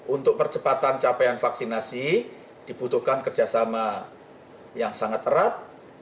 untuk percepatan capaian vaksinasi dibutuhkan kerjasama yang sangat erat